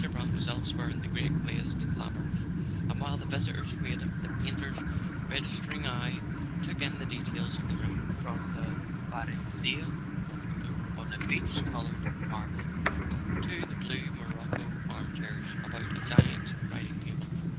Brant was elsewhere in the great glazed laby¬ rinth, and while the visitors waited, the painter's registering eye took in the details of the room, from the Barye cire perdue on a peach coloured marble mantel to the blue morocco armchairs about a giant writing table.